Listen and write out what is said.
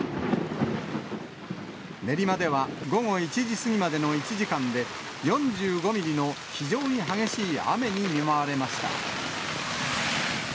練馬では、午後１時過ぎまでの１時間で、４５ミリの非常に激しい雨に見舞われました。